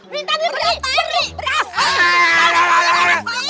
minta diberi beras